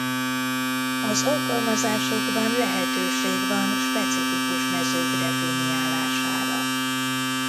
Az alkalmazásokban lehetőség van specifikus mezők definiálására.